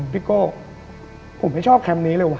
โก้ผมไม่ชอบแคมป์นี้เลยว่